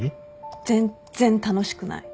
全然楽しくない。